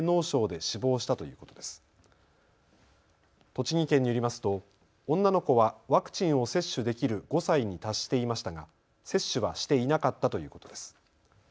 栃木県によりますと女の子はワクチンを接種できる５歳に達していましたが接種はしていなかったということです。